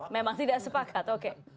memang tidak sepakat oke